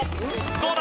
どうだ？